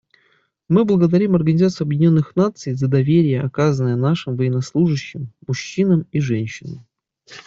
Мы благодарим Организацию Объединенных Наций за доверие, оказанное нашим военнослужащим — мужчинам и женщинам.